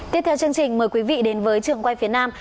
tiếp theo chương trình mời quý vị đến với trường quay phía nam